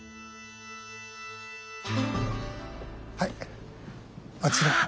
はいあちら。